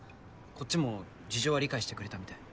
こっちも事情は理解してくれたみたい。